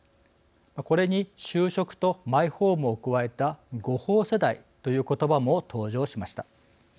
これに就職とマイホームを加えた「５放世代」という言葉も登場しました。